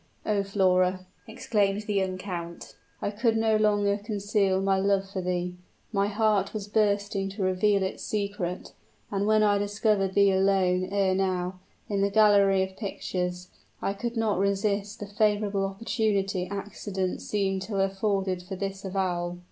Oh, Flora," exclaimed the young count, "I could no longer conceal my love for thee! My heart was bursting to reveal its secret; and when I discovered thee alone, ere now, in the gallery of pictures, I could not resist the favorable opportunity accident seemed to have afforded for this avowal."